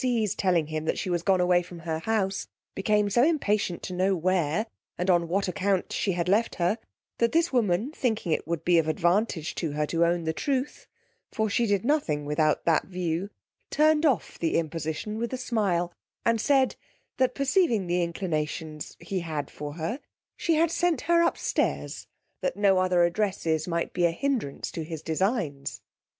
C ge's telling him she was gone away from her house, became so impatient to know where, and on what account she had left her, that this woman thinking it would be of advantage to her to own the truth, (for she did nothing without that view) turned off the imposition with a smile, and said, that perceiving the inclinations he had for her, she had sent her upstairs that no other addresses might be a hindrance to his designs.